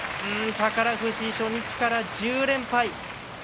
宝富士、初日から１０連敗